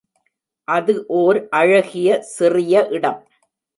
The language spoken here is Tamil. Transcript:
அது ஓர் அழகிய, சிறிய இடம்.